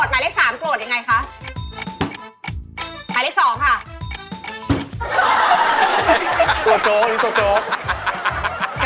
ไหหมเล่นสอง